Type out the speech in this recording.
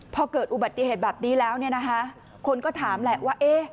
พอเกิดอุบัติเหตุแบบนี้แล้วเนี่ยนะคะคนก็ถามแหละว่า